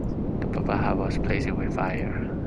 The purple heart was blazing with fire.